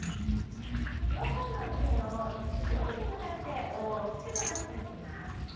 両方の腕を頭上に向かって大きく伸ばしていきます。